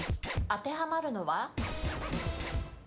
当てはまるのは？